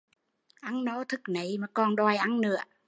Ăn no thức nấy mà còn đòi ăn nữa